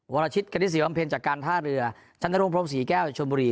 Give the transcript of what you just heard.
วรชิตกณิตศรีบำเพ็ญจากการท่าเรือชนรงพรมศรีแก้วชมบุรี